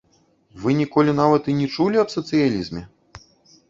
Вы ніколі нават і не чулі аб сацыялізме?